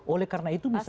oleh karena itu misalnya